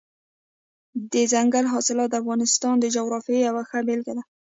دځنګل حاصلات د افغانستان د جغرافیې یوه ښه بېلګه ده.